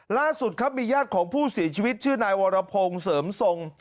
ล่าสุดครับมีญาติของผู้เสียชีวิตชื่อนายวรพงศ์เสริมทรง